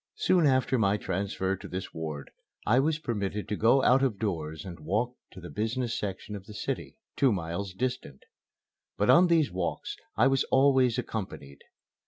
Soon after my transfer to this ward I was permitted to go out of doors and walk to the business section of the city, two miles distant. But on these walks I was always accompanied.